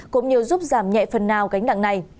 cũng như giúp giảm nhẹ phần nào gánh nặng này